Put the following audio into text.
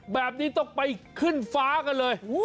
แบบนี้ต้องไปขึ้นฟ้ากันเลย